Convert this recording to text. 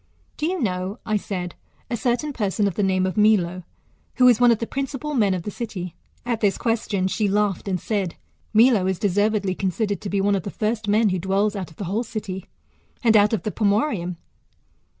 Do you know, I said, a certain' person of the name of Milo, who is one of the principal men of the city ? At this GOLDBM ASS, Of ATOLEIUS. — fiOOK t. t) question she laughed, and said, Milo is deservedly considered to he one of the first men who dwells out of the whole city, and out of the pomoerium.